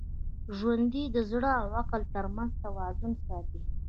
ژوندي د زړه او عقل تر منځ توازن ساتي